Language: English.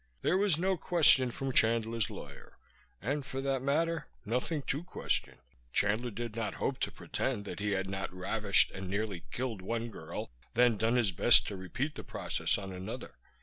There was no question from Chandler's lawyer and, for that matter, nothing to question. Chandler did not hope to pretend that he had not ravished and nearly killed one girl, then done his best to repeat the process on another.